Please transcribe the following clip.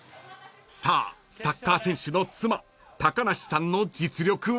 ［さあサッカー選手の妻高梨さんの実力は？］